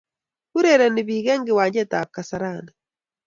Urereni pik en kiwajentab kasarani